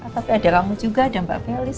tapi ada kamu juga ada mbak felis